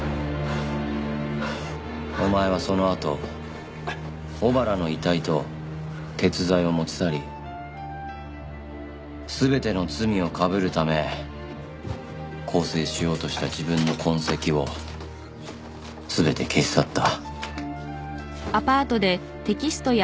お前はそのあと尾原の遺体と鉄材を持ち去り全ての罪をかぶるため更生しようとした自分の痕跡を全て消し去った。